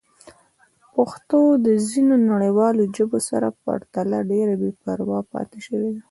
پښتو د ځینو نړیوالو ژبو سره پرتله ډېره بې پروا پاتې شوې ده.